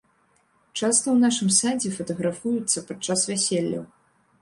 Часта ў нашым садзе фатаграфуюцца падчас вяселляў.